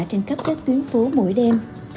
nhanh khắp các tuyến phố mỗi đêm